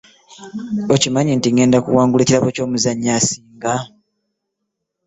Okimanyi nti ngenda kuwangula ekirabo ky'omuzanyi asinga.